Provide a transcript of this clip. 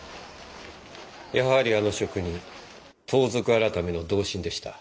やはりあの職人盗賊改の同心でした。